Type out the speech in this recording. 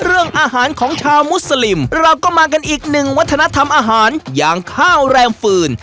เรื่องอาหารของชาวมุสลิมเราก็มากันอีกหนึ่งวัฒนธรรมอาหารอย่างข้าวแรมฟืน